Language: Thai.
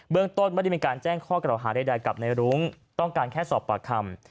เบื้องต้นไม่ได้มีการแจ้งข้อกระหาได้ได้กับในรุ้งต้องการแค่สอบปากคำ